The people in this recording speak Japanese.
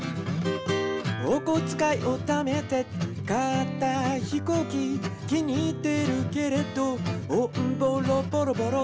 「おこづかいをためて買ったひこうき」「気に入ってるけれどオンボロボロボロ！」